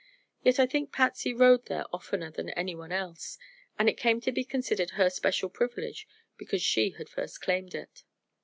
Yet I think Patsy rode there oftener than anyone else, and it came to be considered her special privilege because she had first claimed it.